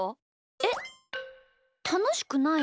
えったのしくないの？